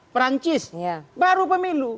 perancis baru pemilu